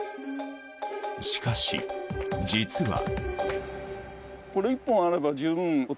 しかし、実は。